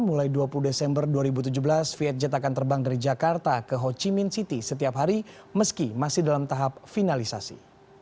mulai dua puluh desember dua ribu tujuh belas vietjet akan terbang dari jakarta ke ho chi minh city setiap hari meski masih dalam tahap finalisasi